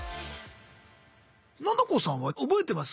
ななこさんは覚えてます？